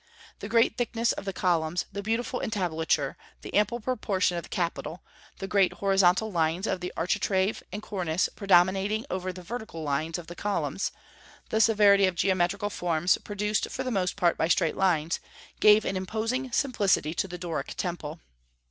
The great thickness of the columns, the beautiful entablature, the ample proportion of the capital, the great horizontal lines of the architrave and cornice predominating over the vertical lines of the columns, the severity of geometrical forms produced for the most part by straight lines, gave an imposing simplicity to the Doric temple.